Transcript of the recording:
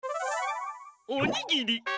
おにぎり！